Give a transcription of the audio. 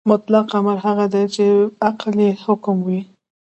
مطلق امر هغه څه دی چې عقل یې حکم کوي.